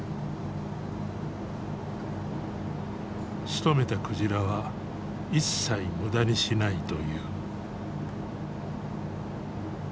しとめた鯨は一切無駄にしないという。